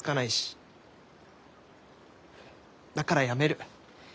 だからやめる。